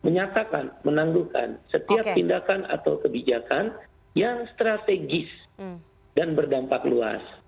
menyatakan menangguhkan setiap tindakan atau kebijakan yang strategis dan berdampak luas